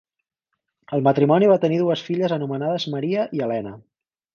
El matrimoni va tenir dues filles anomenades Maria i Helena.